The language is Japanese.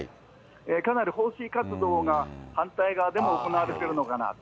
かなり放水活動が反対側でも行われているのかなと。